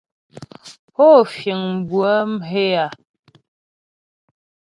Pó fíŋ bʉə̌ mhě a?